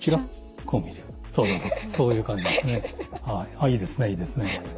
あっいいですねいいですね。